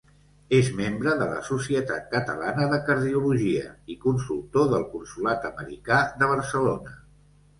És membre de la Societat Catalana de Cardiologia i consultor del Consolat Americà de Barcelona.